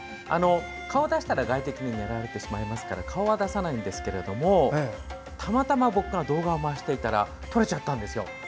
顔を出したら外敵に狙われてしまいますから顔は出さないんですけどたまたま僕が動画を回していたら撮れちゃったんです。